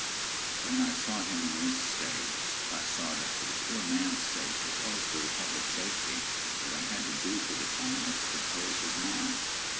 When I saw him in this state, I saw that for the poor man's sake, as well as for the public safety, what I had to do for the time was to compose his mind.